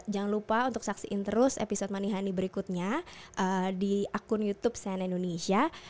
jangan lupa untuk saksiin terus episode manihani berikutnya di akun youtube cnn indonesia